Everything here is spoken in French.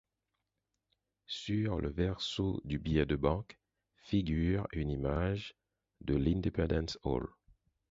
Sur le verso du billet de banque figure une image de l'Independence Hall.